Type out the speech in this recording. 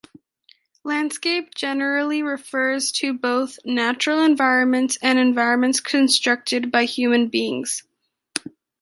Landscape generally refers to both natural environments and environments constructed by human beings.